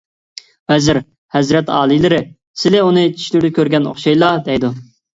ۋەزىر: ھەزرەت ئالىيلىرى، سىلى ئۇنى چۈشلىرىدە كۆرگەن ئوخشايلا، دەيدۇ.